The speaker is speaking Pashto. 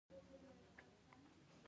د مڼې ګل د اعصابو لپاره وکاروئ